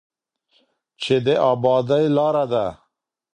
چې د ابادۍ لاره ده.